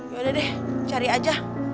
yaudah deh cari aja